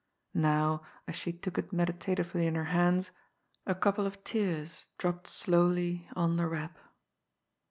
Now, as she took it meditatively in her hands, a couple of tears dropped slowly on the wrap.